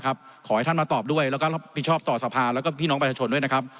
ขอให้ท่านมาตอบด้วยแล้วก็รับผิดชอบต่อสภาแล้วก็พี่น้องประชาชนด้วยนะครับ